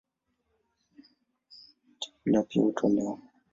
Chakula pia hutolewa.